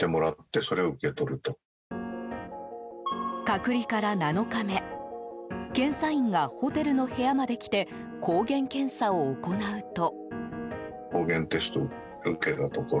隔離から７日目検査員がホテルの部屋まで来て抗原検査を行うと。